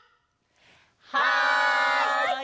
はい！